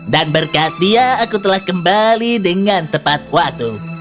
dan berkat dia aku telah kembali dengan tepat waktu